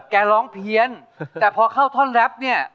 แกร้องเพี้ยนแต่พอเข้าท่อนแรปเนี่ย